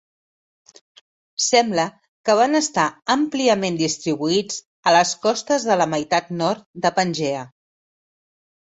Sembla que van estar àmpliament distribuïts a les costes de la meitat nord de Pangea.